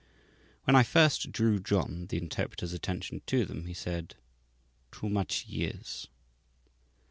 When I first drew John, the interpreter's, attention to them, he said, "Too much years."